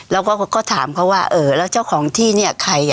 แล้วก็ถามเขาว่าเออแล้วเจ้าของที่เนี่ยใคร